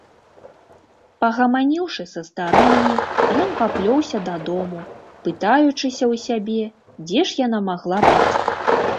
Пагаманіўшы са старымі, ён паплёўся дадому, пытаючыся ў сябе, дзе ж яна магла быць?